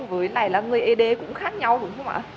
với lại là người ấy đế cũng khác nhau đúng không ạ